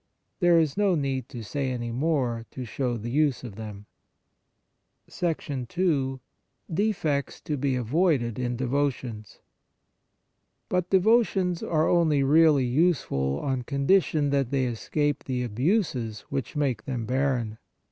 There is no need to say any more to show the use of them. II Defects to be avoided in Devotions But devotions are only really useful on condition that they escape the abuses which make them barren.